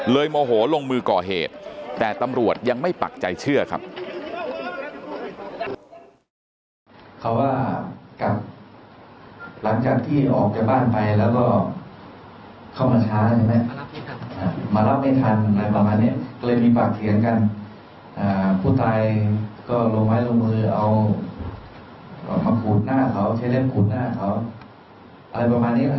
โมโหลงมือก่อเหตุแต่ตำรวจยังไม่ปักใจเชื่อครับ